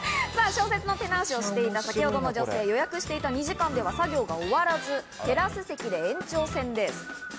小説の手直しをしていた先ほどの女性、予約していた２時間では作業が終わらず、テラス席で延長戦です。